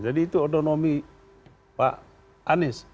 jadi itu otonomi pak anis